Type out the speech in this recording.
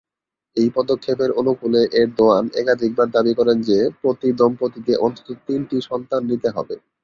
এই পদক্ষেপের অনুকূলে, এরদোয়ান একাধিকবার দাবি করেন যে, প্রতি দম্পতিকে অন্তত তিনটি সন্তান নিতে হবে।